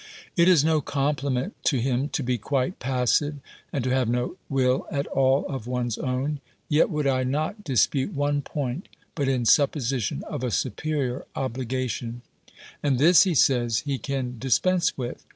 It is no compliment to him to be quite passive, and to have no will at all of one's own: yet would I not dispute one point, but in supposition of a superior obligation: and this, he says, he can dispense with.